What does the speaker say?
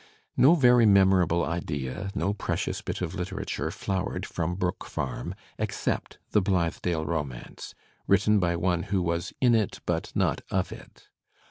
No very memorable idea, no precious bit of literature flow ered from Brook Farm except "The Blithedale Romance," written by one who was in it but not of it.